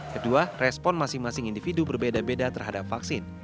kedua respon masing masing individu berbeda beda terhadap vaksin